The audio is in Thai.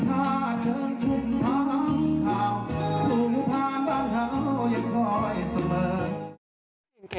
ก็ถ้าเชิงชุบทางเท้าหลุมผ่านบ้านเท้าอย่างค่อยเสมอ